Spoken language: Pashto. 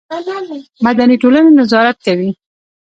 مدني ټولنه نظارت کوي